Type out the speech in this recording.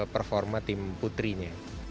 performa tim putrinya